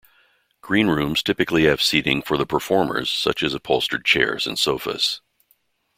Green rooms typically have seating for the performers, such as upholstered chairs and sofas.